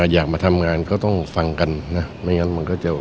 อยากมาทำงานก็ต้องฟังกันนะไม่งั้นมันก็จะ